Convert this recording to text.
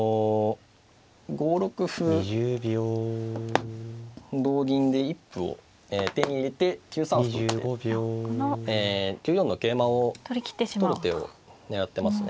５六歩同銀で一歩を手に入れて９三歩と打って９四の桂馬を取る手を狙ってますね。